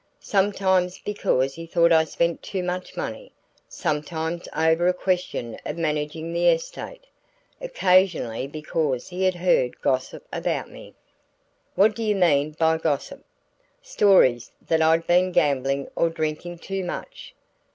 "Sometimes because he thought I spent too much money, sometimes over a question of managing the estate; occasionally because he had heard gossip about me." "What do you mean by 'gossip'?" "Stories that I'd been gambling or drinking too much."